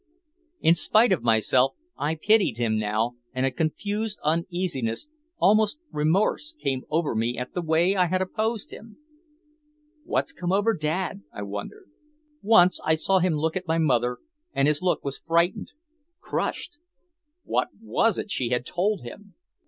In spite of myself I pitied him now, and a confused uneasiness, almost remorse, came over me at the way I had opposed him. "What's come over Dad?" I wondered. Once I saw him look at my mother, and his look was frightened, crushed. What was it she had told him?